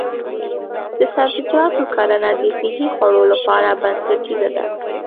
د سبزیجاتو کرنه د صحي خوړو لپاره بنسټیزه ده.